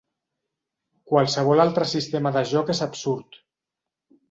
Qualsevol altre sistema de joc és absurd.